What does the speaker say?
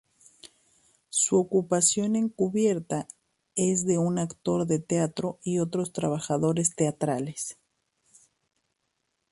Su ocupación encubierta es de un actor de teatro y otros trabajos teatrales.